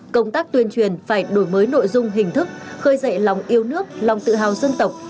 công tác tuyên truyền phải đổi mới nội dung hình thức khơi dậy lòng yêu nước lòng tự hào dân tộc